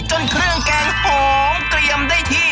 เครื่องแกงหอมเกลี่ยมได้ที่